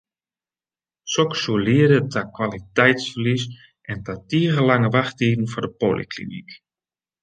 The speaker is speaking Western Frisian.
Soks soe liede ta kwaliteitsferlies en ta tige lange wachttiden foar de polyklinyk.